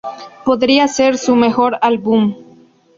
Podría ser... su mejor álbum.